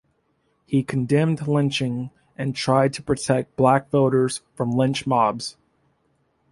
He condemned lynching and tried to protect black voters from lynch mobs.